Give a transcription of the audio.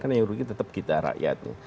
dan yang yang menurut saya tetap kita rakyat